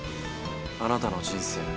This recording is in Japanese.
「あなたの人生。